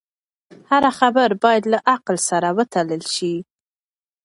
هره خبره باید له عقل سره وتلل شي.